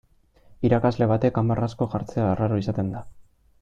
Irakasle batek hamar asko jartzea arraro izaten da.